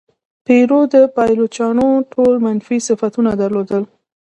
پیرو د پایلوچانو ټول منفي صفتونه درلودل.